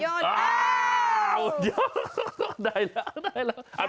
ได้แล้วได้แล้ว